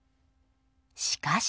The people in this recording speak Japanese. しかし。